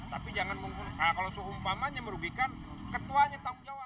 tapi jangan mungkin kalau seumpamanya merugikan ketuanya tanggung jawab